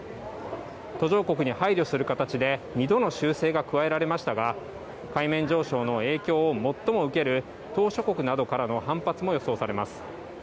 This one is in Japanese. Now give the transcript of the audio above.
途上国に配慮する形で２度の修正が加えられましたが海面上昇の影響を最も受ける島しょ国からの反発も予想されます。